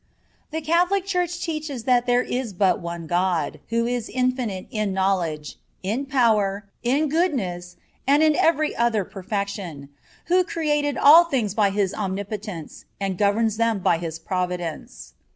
The Catholic Church teaches that there is but one God, who is infinite in knowledge, in power, in goodness, and in every other perfection; who created all things by His omnipotence, and governs them by His Providence.